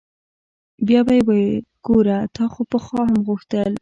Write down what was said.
بيا يې وويل ګوره تا خو پخوا هم غوښتل.